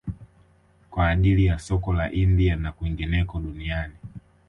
Kwa ajili ya soko la India na kwingineko duniani